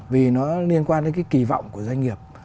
vì nó liên quan đến cái kỳ vọng của doanh nghiệp